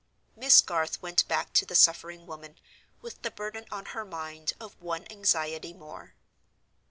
Miss Garth went back to the suffering woman, with the burden on her mind of one anxiety more.